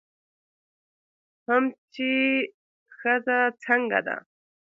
هم چې ښځه څنګه ده